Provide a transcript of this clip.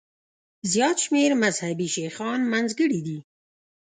زیات شمېر مذهبي شیخان منځګړي دي.